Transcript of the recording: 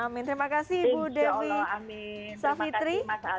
terima kasih ibu dewi safitri